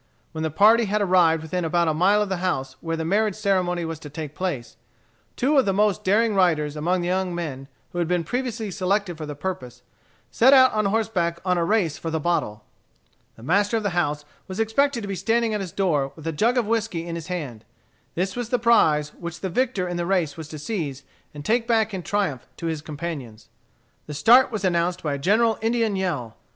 When the party had arrived within about a mile of the house where the marriage ceremony was to take place, two of the most daring riders among the young men who had been previously selected for the purpose, set out on horseback on a race for "the bottle." The master of the house was expected to be standing at his door, with a jug of whiskey in his hand. This was the prize which the victor in the race was to seize and take back in triumph to his companions. The start was announced by a general Indian yell.